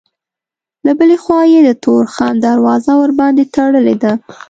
له بلې خوا یې د تورخم دروازه ورباندې تړلې ده.